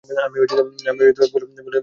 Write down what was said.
আমি ভুলে মানিব্যাগ ফেলে এসেছি।